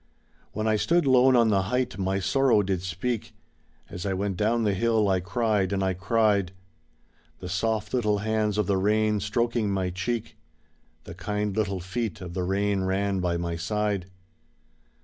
When I stood lone on the height my sorrow did speak, As I went down the hill, I cried and I cried. The soft little hands of the rain stroking my cheek, The kind little feet of the rain ran by my side.